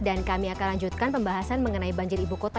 dan kami akan lanjutkan pembahasan mengenai banjir ibu kota